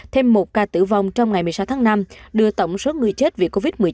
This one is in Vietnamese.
thêm một ca tử vong trong ngày một mươi sáu tháng năm đưa tổng số người chết vì covid một mươi chín